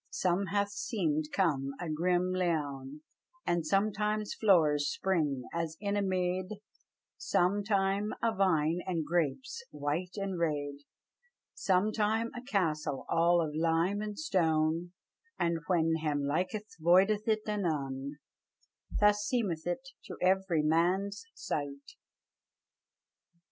Sometime hath semed come a grim leoun, And sometime floures spring as in a mede, Sometime a vine and grapes white and rede, Sometime a castel al of lime and ston, And whan hem liketh voideth it anon: Thus semeth it to every mannes sight.